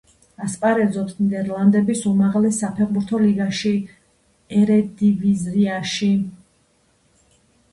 ასპარეზობს ნიდერლანდების უმაღლეს საფეხბურთო ლიგაში, ერედივიზიაში.